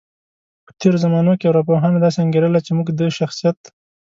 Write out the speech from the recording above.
په تیرو زمانو کې ارواپوهانو داسې انګیرله، چی موږ د شخصیت